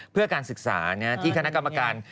เพื่อการศึกษาที่คณะกรรมการ